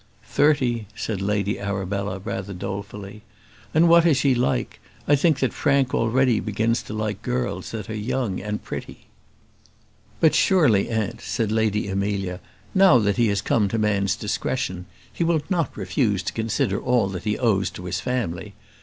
"Thirty," said Lady Arabella, rather dolefully. "And what is she like? I think that Frank already begins to like girls that are young and pretty." "But surely, aunt," said the Lady Amelia, "now that he has come to man's discretion, he will not refuse to consider all that he owes to his family.